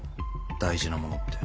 大事なものって。